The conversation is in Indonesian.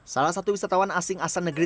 salah satu wisatawan asing asal negeri